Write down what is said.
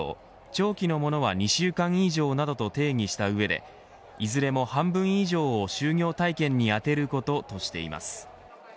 長期のものは２週間以上などと定義した上でいずれも半分以上を就業体験に充てることとしています。